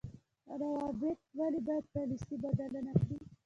روابط ولې باید پالیسي بدله نکړي؟